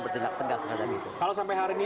bertindak tegak terhadap itu kalau sampai hari ini